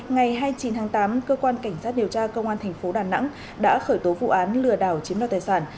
ngày hai mươi chín tháng tám cơ quan cảnh sát điều tra công an thành phố đà nẵng đã khởi tố vụ án lừa đảo chiếm đoạt tài sản